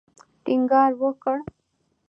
ټینګار وکړ.